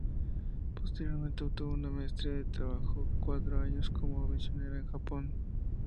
Posteriormente obtuvo una maestría y trabajó cuatro años como misionera en Japón.